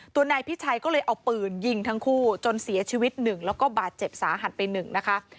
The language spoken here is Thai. นายพิชัยก็เลยเอาปืนยิงทั้งคู่จนเสียชีวิตหนึ่งแล้วก็บาดเจ็บสาหัสไป๑นะคะ